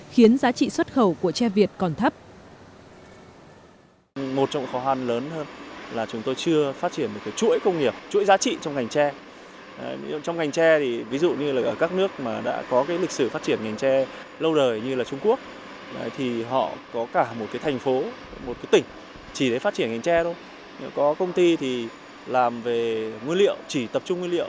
khiến giá trị xuất khẩu của tre việt còn thấp